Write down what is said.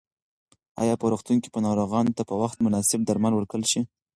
ایا په روغتون کې به ناروغانو ته په وخت مناسب درمل ورکړل شي؟